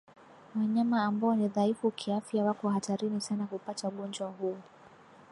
Wanyama ambao ni dhaifu kiafya wako hatarini sana kupata ugonjwa huu